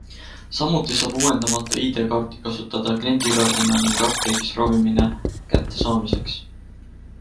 Samuti saab uuendamata ID-kaarti kasutada kliendikaardina ning apteegis ravimine kätte saamiseks.